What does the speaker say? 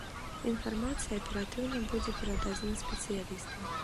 Інфармацыя аператыўна будзе перададзена спецыялістам.